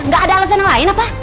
gak ada alasan yang lain apa